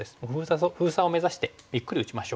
封鎖を目指してゆっくり打ちましょう。